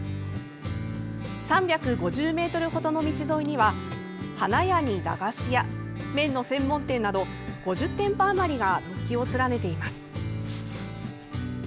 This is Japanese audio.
３５０ｍ程の道沿いには花屋に駄菓子屋、麺の専門店など５０店舗余りが軒を連ねています。